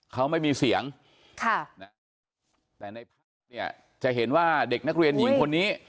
เขาไม่มีเสียงค่ะนะแต่ในภาพเนี่ยจะเห็นว่าเด็กนักเรียนหญิงคนนี้